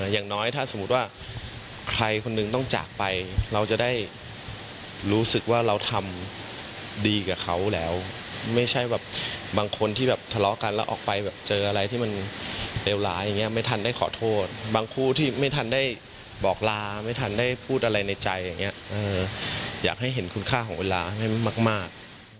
อย่างน้อยถ้าสมมุติว่าใครคนนึงต้องจากไปเราจะได้รู้สึกว่าเราทำดีกับเขาแล้วไม่ใช่แบบบางคนที่แบบทะเลาะกันแล้วออกไปแบบเจออะไรที่มันเลวร้ายอย่างนี้ไม่ทันได้ขอโทษบางคู่ที่ไม่ทันได้บอกลาไม่ทันได้พูดอะไรในใจอย่างนี้อยากให้เห็นคุณค่าของเวลาให้มาก